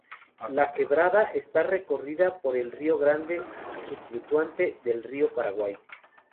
La quebrada está recorrida por el río Grande, subafluente del río Paraguay.